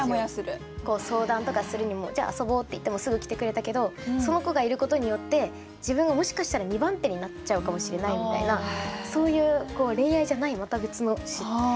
相談とかするにも「じゃあ遊ぼ」って言ってもすぐ来てくれたけどその子がいることによって自分がもしかしたら二番手になっちゃうかもしれないみたいなそういう恋愛じゃないまた別の嫉妬みたいな感じの。